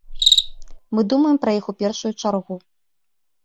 Мы думаем пра іх у першую чаргу.